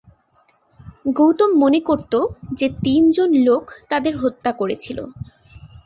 গৌতম মনে করত যে তিন জন লোক তাদের হত্যা করেছিল।